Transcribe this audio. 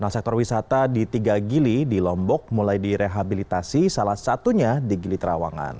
sektor wisata di tiga gili di lombok mulai direhabilitasi salah satunya di gili trawangan